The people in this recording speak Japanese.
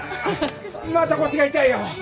また腰が痛いよ。